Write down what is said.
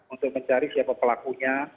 untuk mencari siapa pelakunya